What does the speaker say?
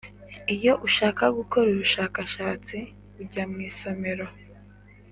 iyo ushaka gukora ubushakashatsi ujya mu isomero